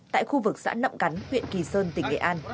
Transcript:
tại khu vực xã nậm cắn huyện kỳ sơn tỉnh nghệ an